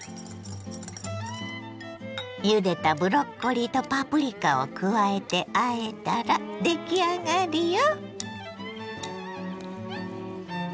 ゆでたブロッコリーとパプリカを加えてあえたら出来上がりよ。